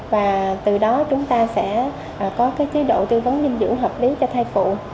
và từ đó chúng ta sẽ có cái chế độ tư vấn dung lạc lưu côn